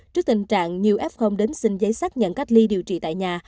trước tình trạng nhiều f đến xin giấy xác nhận cách ly điều trị tại nhà